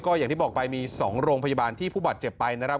อย่างที่บอกไปมี๒โรงพยาบาลที่ผู้บาดเจ็บไปนะครับ